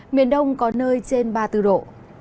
miền đông có nơi trên ba mươi bốn độ